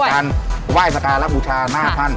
ในการว่ายสการรับบุชาหน้าท่าน